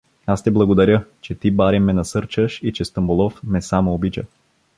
Аз те благодаря, че ти барем ме насърчаш и че Стамболов ме само обича.